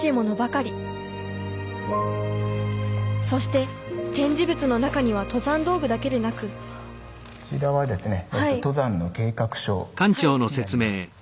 そして展示物の中には登山道具だけでなくこちらはですね